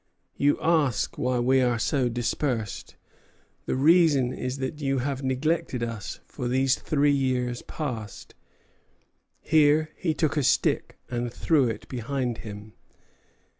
You ask why we are so dispersed. The reason is that you have neglected us for these three years past." Here he took a stick and threw it behind him.